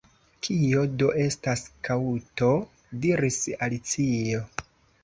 “Kio do estas Kaŭko?” diris Alicio.